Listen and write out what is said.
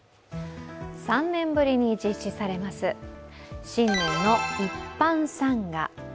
３年ぶりに実施されます新年の一般参賀。